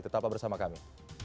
tetap bersama kami